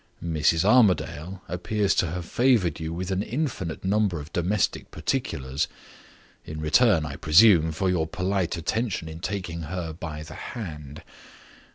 Mrs. Armadale appears to have favored you with an infinite number of domestic particulars in return, I presume, for your polite attention in taking her by the hand.